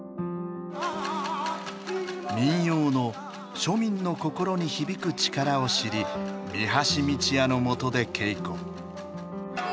民謡の庶民の心に響く力を知り三橋美智也のもとで稽古。